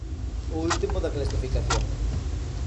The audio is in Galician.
O último da clasificación.